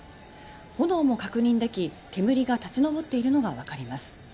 炎も確認でき煙が立ち上っているのがわかります。